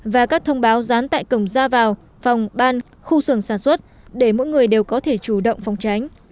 và các thông báo dán tại cổng ra vào phòng ban khu xưởng sản xuất để mỗi người đều có thể chủ động phòng tránh